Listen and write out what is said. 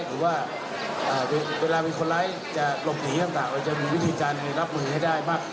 หรือว่าเวลามีคนร้ายจะหลบหนีต่างเราจะมีวิธีการรับมือให้ได้มาก